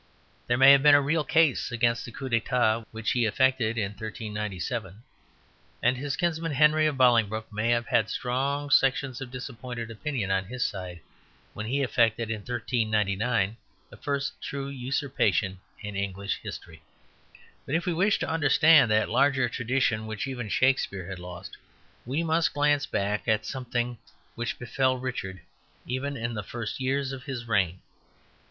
There may have been a real case against the coup d'état which he effected in 1397, and his kinsman Henry of Bolingbroke may have had strong sections of disappointed opinion on his side when he effected in 1399 the first true usurpation in English history. But if we wish to understand that larger tradition which even Shakespeare had lost, we must glance back at something which befell Richard even in the first years of his reign.